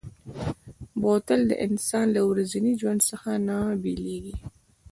بوتل د انسان له ورځني ژوند څخه نه بېلېږي.